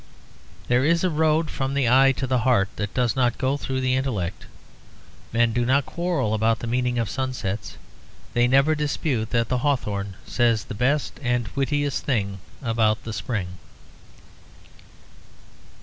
There is a road from the eye to the heart that does not go through the intellect. Men do not quarrel about the meaning of sunsets; they never dispute that the hawthorn says the best and wittiest thing about the spring.